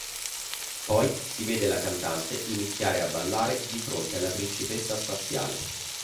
Poi si vede la cantante iniziare a ballare di fronte alla principessa spaziale.